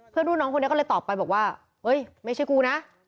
รุ่นน้องคนนี้ก็เลยตอบไปบอกว่าเฮ้ยไม่ใช่กูนะ